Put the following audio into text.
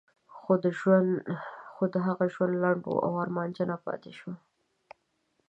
خو د هغه ژوند لنډ و او ارمانجنه پاتې شوم.